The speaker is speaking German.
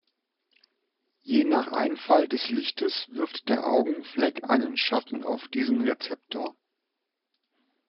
Je nach Einfall des Lichtes wirft der Augenfleck einen Schatten auf diesen Rezeptor.